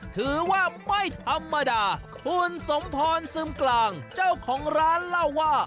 ถือว่าไม่ธรรมดาคุณสมพรซึมกลางเจ้าของร้านเล่าว่า